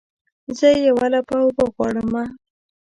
زه یوه لپه اوبه غواړمه